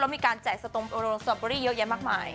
แล้วมีการแจ่สตรมโรโลโลสตรอบเบอรี่เยอะแยะมากมาย